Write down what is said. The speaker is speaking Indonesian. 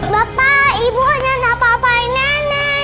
bapak ibu pengen apa apain nenek